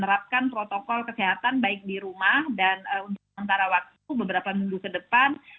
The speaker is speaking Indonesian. terapkan protokol kesehatan baik di rumah dan untuk antara waktu beberapa minggu ke depan